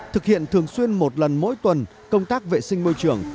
thực hiện thường xuyên một lần mỗi tuần công tác vệ sinh môi trường